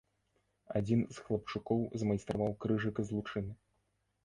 Адзін з хлапчукоў змайстраваў крыжык з лучын.